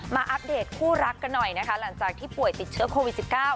อัปเดตคู่รักกันหน่อยนะคะหลังจากที่ป่วยติดเชื้อโควิด๑๙